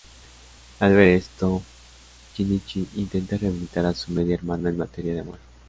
Al ver esto, Shinichi intenta rehabilitar a su media hermana en materia de amor.